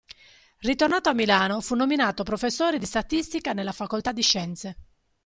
Ritornato a Milano, fu nominato professore di statistica nella Facoltà di Scienze.